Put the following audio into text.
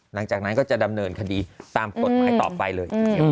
หลังจากนั้นก็จะดำเนินคดีตามกฎหมายต่อไปเลย